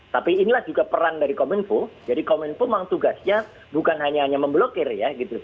tapi inilah juga peran dari kominfo jadi kominfo memang tugasnya bukan hanya hanya memblokir ya gitu